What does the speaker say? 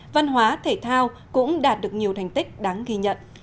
văn hóa thể thao cũng đạt được nhiều thành tích đáng ghi nhận